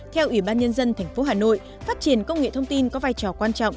theo ủy ban nhân dân tp hà nội phát triển công nghệ thông tin có vai trò quan trọng